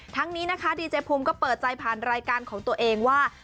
ทั้งนี้นะคะดีเจภูมิก็เปิดใจผ่านรายการของตัวเองว่า